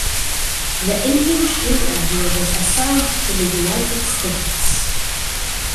The Indian Stream area was assigned to the United States.